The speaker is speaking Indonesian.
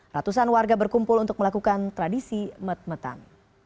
ratusan warga berkumpul untuk melakukan tradisi metan